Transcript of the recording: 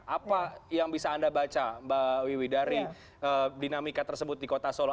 apa yang bisa anda baca mbak wiwi dari dinamika tersebut di kota solo